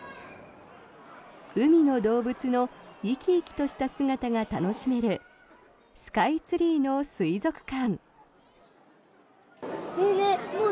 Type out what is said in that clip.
海の動物の生き生きとした姿が楽しめるスカイツリーの水族館。